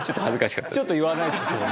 ちょっと言わないですもんね。